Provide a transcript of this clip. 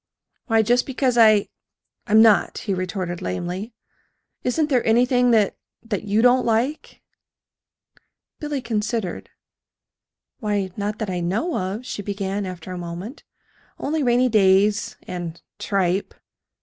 "Why, just because I I'm not," he retorted lamely. "Isn't there anything that that you don't like?" Billy considered. "Why, not that I know of," she began, after a moment, "only rainy days and tripe.